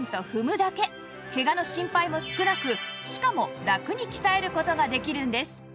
ケガの心配も少なくしかもラクに鍛える事ができるんです